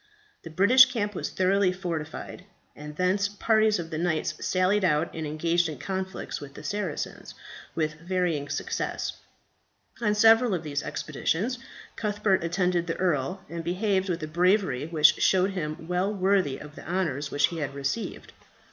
The British camp was thoroughly fortified, and thence parties of the knights sallied out and engaged in conflicts with the Saracens, with varying success. On several of these expeditions Cuthbert attended the earl, and behaved with a bravery which showed him well worthy of the honours which he had received.